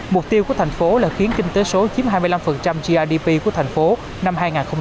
mục tiêu của thành phố là khiến kinh tế số chiếm hai mươi năm grdp của thành phố năm hai nghìn hai mươi